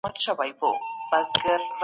تاسي په اخیرت کي کوم مقام ته هیله لرئ؟